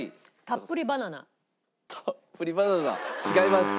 たっぷりバナナ違います。